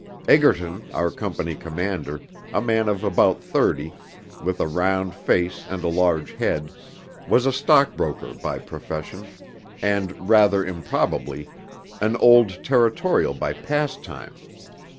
Egerton, our company commander, a man of about thirty, with a round face and a large head, was a stockbroker by profession, and rather improbably, an old Territorial by pastime.